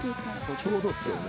ちょうどっすけどね。